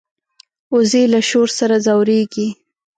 وزې له شور سره ځورېږي